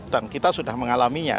dan kita sudah mengalaminya